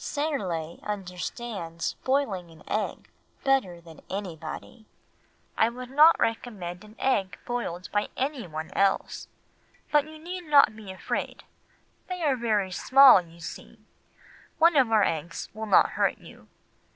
Serle understands boiling an egg better than anybody. I would not recommend an egg boiled by anyone else, but you need not be afraid, they are very small you see—one of our small eggs will not hurt you.